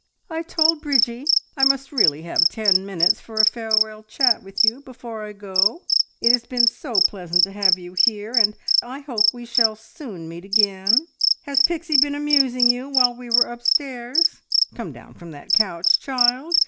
"I told Bridgie I must really have ten minutes for a farewell chat with you before I go. It has been so pleasant to have you here, and I hope we shall soon meet again. Has Pixie been amusing you while we were upstairs? Come down from that couch, child!